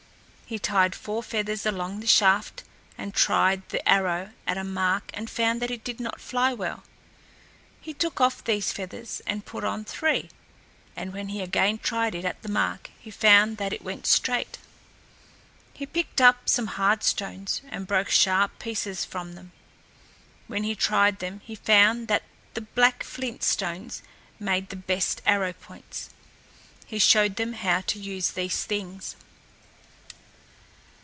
He tied four feathers along the shaft and tried the arrow at a mark and found that it did not fly well. He took off these feathers and put on three, and when he again tried it at the mark he found that it went straight. He picked up some hard stones, and broke sharp pieces from them. When he tried them he found that the black flint stones made the best arrow points. He showed them how to use these things.